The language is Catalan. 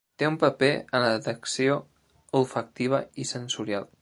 Té un paper en la detecció olfactiva i sensorial.